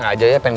udah dua jam